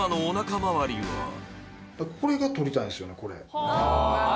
これが取りたいんですよね